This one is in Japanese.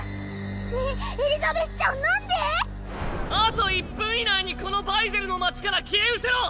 ねえエリザベスちゃんなんで⁉あと１分以内にこのバイゼルの町から消えうせろ。